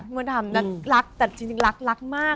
เมื่อทำรักแต่จริงรักรักมาก